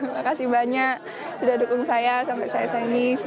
makasih banyak sudah dukung saya sampai saya seni